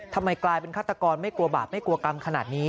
ทำไมกลายเป็นฆาตกรไม่กลัวบาปไม่กลัวกรรมขนาดนี้